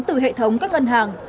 từ hệ thống các ngân hàng